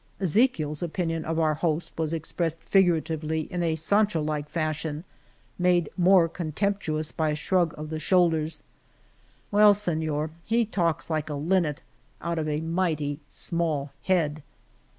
Ezechiel's opinion of our host was ex pressed figuratively in a Sancho like fashion, made more contemptuous by a shrug of the shoulders: "Well, seiior, he talks, like a linnet, out of a mighty small head."